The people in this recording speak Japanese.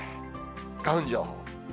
花粉情報。